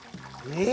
え？